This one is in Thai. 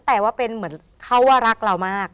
แต่ว่าเป็นเหมือนเขาว่ารักเรามาก